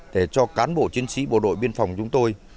để cho cán bộ chiến sĩ bộ đội biên phòng chúng tôi